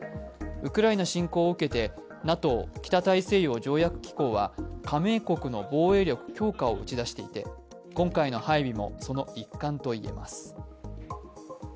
ウクライナ侵攻を受けてＮＡＴＯ＝北大西洋条約機構は加盟国の防衛力強化を打ち出していて今回の配備もその一環と言えます。